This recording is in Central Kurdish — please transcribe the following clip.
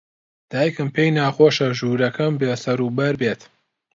دایکم پێی ناخۆشە ژوورەکەم بێسەروبەر بێت.